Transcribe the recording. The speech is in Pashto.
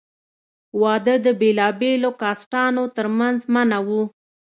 واده د بېلابېلو کاسټانو تر منځ منع وو.